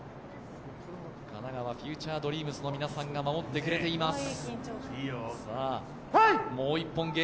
神奈川フューチャードリームスの皆さんが守ってくれています。